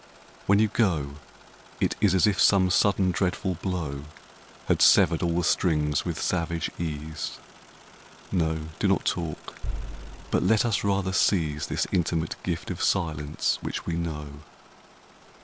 When you go It is as if some sudden, dreadful blow Had severed all the strings with savage ease. No, do not talk; but let us rather seize This intimate gift of silence which we know.